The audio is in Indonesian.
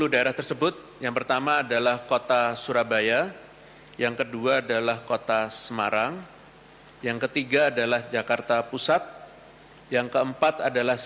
dua puluh daerah tersebut yang pertama adalah kota surabaya yang kedua adalah kota semarang yang ketiga adalah jakarta pusat